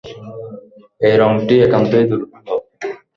এই রংটি একান্তই দুর্লভ।